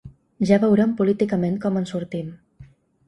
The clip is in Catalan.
Ja veurem políticament com en sortim.